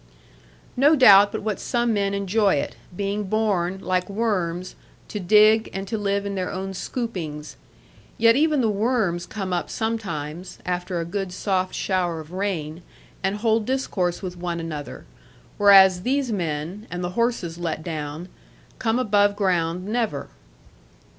No doubt but what some men enjoy it, being born, like worms, to dig, and to live in their own scoopings. Yet even the worms come up sometimes, after a good soft shower of rain, and hold discourse with one another; whereas these men, and the horses let down, come above ground never.